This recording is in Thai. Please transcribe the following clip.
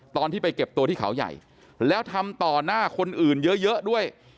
ตอนที่ไปเก็บตัวที่เขาใหญ่แล้วทำต่อหน้าคนอื่นเยอะด้วย